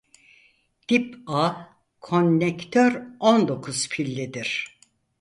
Tip-A konnektör on dokuz pin'lidir.